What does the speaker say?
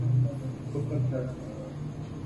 وہ سب جانتے ہیں۔